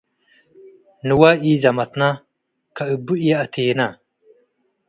ንዋይ ኢዘመትነ - ከእቡ ይአቴነ